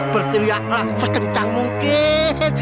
berteriaklah sekencang mungkin